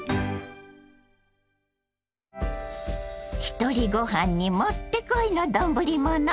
ひとりごはんにもってこいの丼物。